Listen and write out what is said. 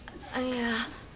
あっいや。